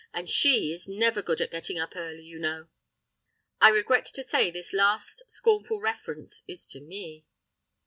And SHE is never any good at getting up early, you know!" I regret to say this last scornful reference is to me!